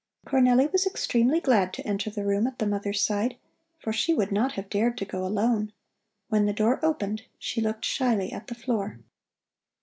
Cornelli was extremely glad to enter the room at the mother's side, for she would not have dared to go alone. When the door opened, she looked shyly at the floor.